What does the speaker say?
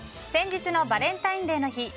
先日のバレンタインデーの日